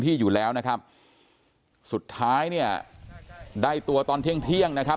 ที่อยู่แล้วนะครับสุดท้ายเนี่ยได้ตัวตอนเที่ยงเที่ยงนะครับ